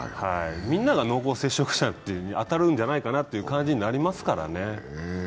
みんなが濃厚接触者に当たるんじゃないかなという感じになりますからね。